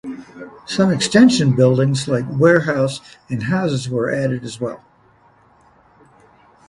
Some extension buildings like warehouse and houses were added as well.